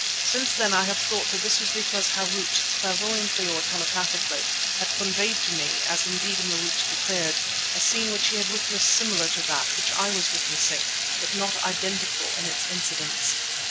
Since then I have thought that this was because Harût, clairvoyantly or telepathically, had conveyed to me, as indeed Marût declared, a scene which he had witnessed similar to that which I was witnessing, but not identical in its incidents.